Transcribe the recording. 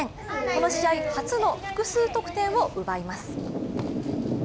この試合初の複数得点を奪います。